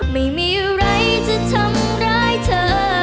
ไม่มีอะไรจะทำร้ายเธอ